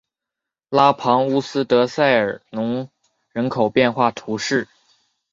拉庞乌斯德塞尔农人口变化图示